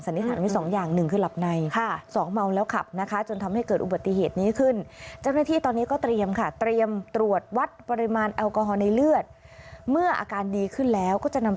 สันนิษฐานว่า๒อย่าง๑คือหลับใน